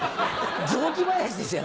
雑木林ですよ。